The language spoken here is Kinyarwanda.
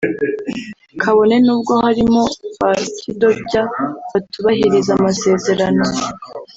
kabone n’ubwo harimo ba kidobya batubahiriza amasezerano